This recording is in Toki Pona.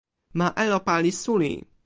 ma Elopa li suli.